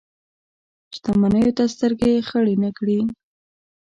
شتمنیو ته سترګې خړې نه کړي.